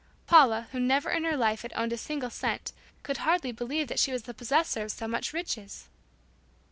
Paula, who never in her life had owned a single cent, could hardly believe that she was the possessor of so much riches!